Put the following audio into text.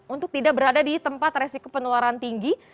untuk tidak berada di tempat resiko penularan tinggi